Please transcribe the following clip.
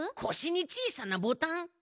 こしに小さなボタン？